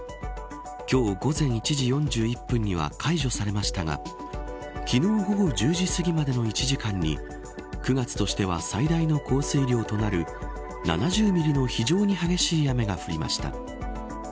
今日午前１時４１分には解除されましたが昨日午後１０時すぎまでの１時間に９月としては最大の降水量となる７０ミリの非常に激しい雨が降りました。